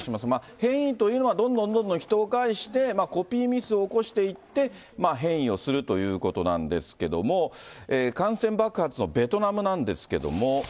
変異というのは、どんどんどんどん人を介して、コピーミスを起こしていって、変異をするということなんですけども、感染爆発のベトナムなんですけども。